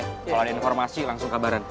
kalau ada informasi langsung kabaran